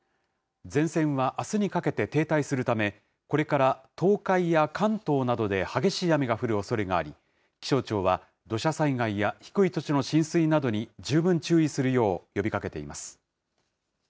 前線はあすにかけて停滞するため、これから東海や関東などで激しい雨が降るおそれがあり、気象庁は土砂災害や低い土地の浸水などに十分注意するよう呼びかけています。